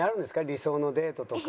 理想のデートとか。